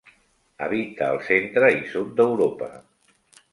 Habita al centre i sud d'Europa.